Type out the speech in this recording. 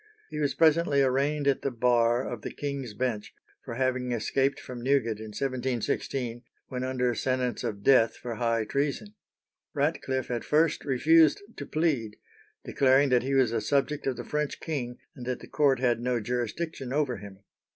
He was presently arraigned at the bar of the King's Bench for having escaped from Newgate in 1716, when under sentence of death for high treason. Ratcliffe at first refused to plead, declaring that he was a subject of the French king, and that the court had no jurisdiction over him.